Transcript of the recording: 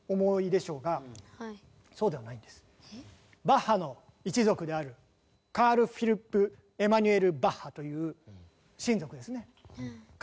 バッハの一族であるカール・フィリップ・エマヌエル・バッハという親族ですね